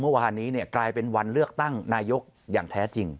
เมื่อวานนี้กลายเป็นวันเลือกตั้งนายกอย่างแท้จริง